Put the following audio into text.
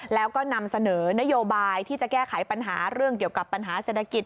แล้วก็นำเสนอนโยบายที่จะแก้ไขปัญหาเรื่องเกี่ยวกับปัญหาเศรษฐกิจ